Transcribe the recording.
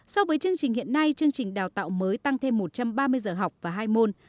so với chương trình hiện nay chương trình đào tạo mới tăng thêm một trăm ba mươi giờ học và hai môn